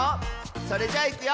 それじゃいくよ！